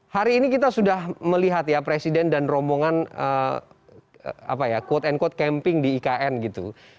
hari ini kita sudah melihat ya presiden dan rombongan quote and quote camping di ikn gitu